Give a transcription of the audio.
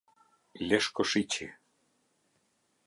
Leshkoshiqi